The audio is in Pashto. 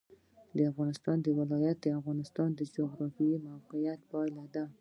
د افغانستان ولايتونه د افغانستان د جغرافیایي موقیعت پایله ده.